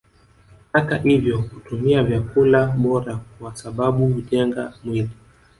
Hata ivyo kutumia vyakula bora kwasababu ujenga mwili